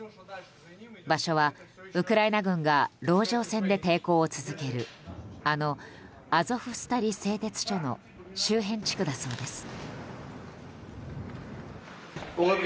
場所はウクライナ軍が籠城戦で抵抗を続けるあのアゾフスタリ製鉄所の周辺地区だそうです。